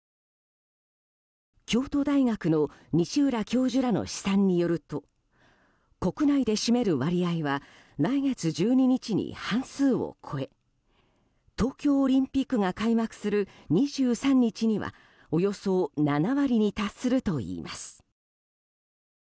京都大学の西浦教授らの試算によると国内で占める割合は来月１２日に半数を超え東京オリンピックが開幕する２３日にはおよそ７割に達するといいます。